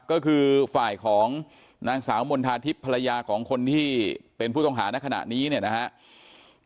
ก็คือฝ่ายของนางสาวมณฑาทิพย์ภรรยาของคนที่เป็นผู้ต้องหาในขณะนี้เนี่ยนะครับ